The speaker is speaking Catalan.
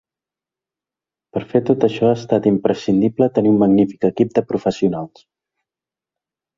Per fer tot això ha estat imprescindible tenir un magnífic equip de professionals.